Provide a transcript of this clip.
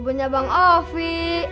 ibunya bang hopi